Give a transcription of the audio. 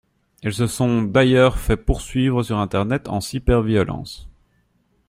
Elles se sont d’ailleurs fait poursuivre sur internet en cyberviolence.